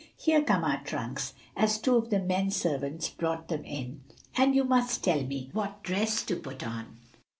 Here come our trunks," as two of the men servants brought them in, "and you must tell me what dress to put on."